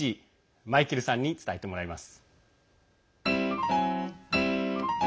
マイケルさんに伝えてもらいます。